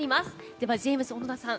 ではジェームス小野田さん